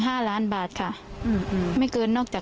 ความปลอดภัยของนายอภิรักษ์และครอบครัวด้วยซ้ำ